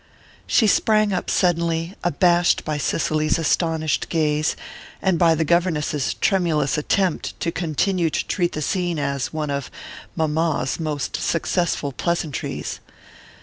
She sprang up suddenly, abashed by Cicely's astonished gaze, and by the governess's tremulous attempt to continue to treat the scene as one of "Mamma's" most successful pleasantries.